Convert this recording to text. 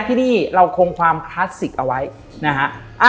ที่นี่เราคงความคลาสสิกเอาไว้นะฮะ